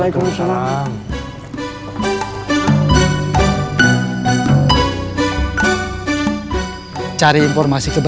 konser sedang mencast uhh